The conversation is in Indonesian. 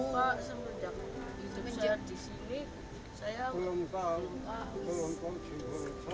pak semenjak hidup saya di sini saya belum tahu